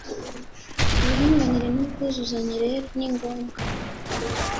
. Uburinganire n’ubwuzuzanye rero ni ngombwa